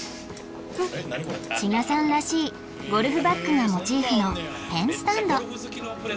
千賀さんらしいゴルフバッグがモチーフのペンスタンド